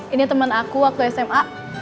ini teman aku waktu sma